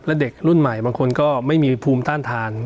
และเด็กรุ่นใหม่บางคนก็ไม่มีภูมิต้านทาน